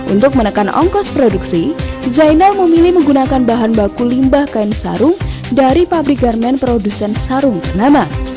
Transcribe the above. untuk menekan ongkos produksi zainal memilih menggunakan bahan baku limbah kain sarung dari pabrik garmen produsen sarung ternama